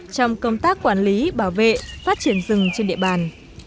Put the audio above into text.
trong công tác quản lý bảo vệ phát triển rừng trên địa bàn